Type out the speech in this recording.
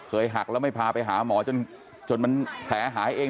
หักแล้วไม่พาไปหาหมอจนมันแผลหายเอง